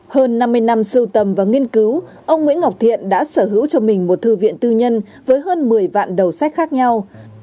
hơn năm mươi năm sưu tầm và nghiên cứu ông nguyễn ngọc thiện đã sở hữu cho mình một thư viện tư nhân với hơn một mươi vạn đầu sách khác nhau